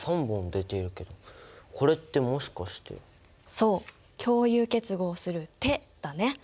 そう共有結合する手だね。